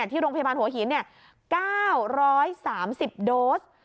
ที่โรงพยาบาลหัวหิน๙๓๐โดส